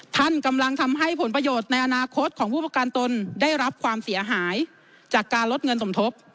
ท่านกำลังทำให้ผลประโยชน์ในอนาคตของผู้ประกันตนได้รับความเสียหายจากการลดเงินสมทบ